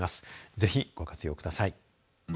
ぜひご活用ください。